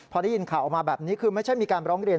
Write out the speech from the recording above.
พอได้ยินข่าวออกมาแบบนี้คือไม่ใช่มีการร้องเรียน